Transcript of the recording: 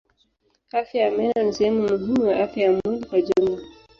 Afya ya meno ni sehemu muhimu ya afya ya mwili kwa jumla.